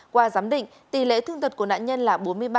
qua giám định tỷ lệ thương tật của nạn nhân là bốn mươi ba